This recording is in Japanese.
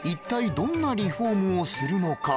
どんなリフォームをするのか？